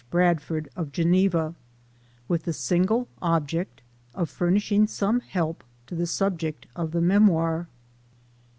Bradford, of Geneva, with the single object of furnishing some help to the subject of the memoir.